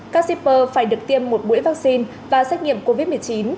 các shipper phải được tiêm một mũi vaccine và xét nghiệm covid một mươi chín